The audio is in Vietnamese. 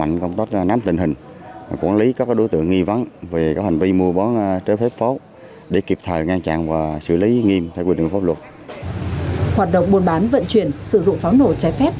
hoạt động buôn bán vận chuyển sử dụng pháo nổ trái phép